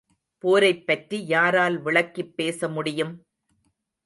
போரைப் பற்றி யாரால் விளக்கிப் பேச முடியும்?